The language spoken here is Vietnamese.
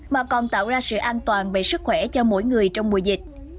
mà còn tạo ra sự an toàn về sức khỏe cho mỗi người trong mùa dịch